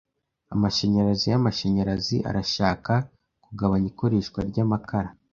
Amashanyarazi y’amashanyarazi arashaka kugabanya ikoreshwa ry’amakara.